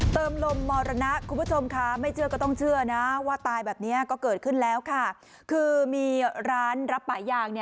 ต้องเชื่อนะว่าตายแบบนี้ก็เกิดขึ้นแล้วค่ะคือมีร้านรับป่ายอย่าง